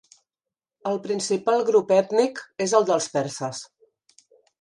El principal grup ètnic és el dels perses.